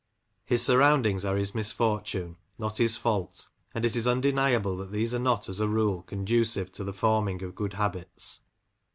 His surroundings are his misfortune, not his fault, and it is undeniable that these are not, as a rule, con ducive to the forming of good habits.